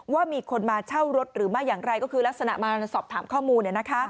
ว่ามีคนมาเช่ารถหรือไม่อย่างไรก็คือลักษณะมาสอบถามข้อมูล